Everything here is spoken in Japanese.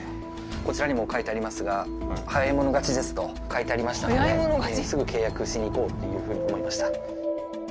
こちらにも書いてありますが「早い者勝ちです」と書いてありましたのですぐ契約しに行こうっていうふうに思いました。